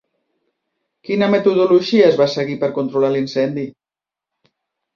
Quina metodologia es va seguir per controlar l'incendi?